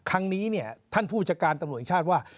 ครั้งนี้เนี่ยท่านผู้จัดการตำรวจแห่งชาติว่า